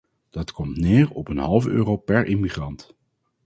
Dat komt neer op een halve euro per immigrant.